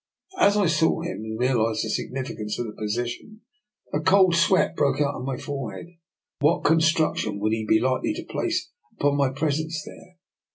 As I saw him and realised the significance of the position a cold sweat broke out upon my forehead. What con struction would he be likely to place upon my presence there?